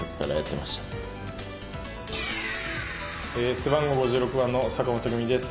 背番号５６番の坂本拓己です。